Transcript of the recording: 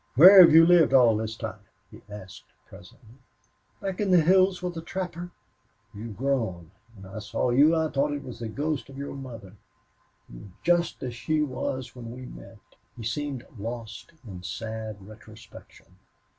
"Where have you lived all this time?" he asked, presently. "Back in the hills with a trapper." "You have grown. When I saw you I thought it was the ghost of your mother. You are just as she was when we met." He seemed lost in sad retrospection.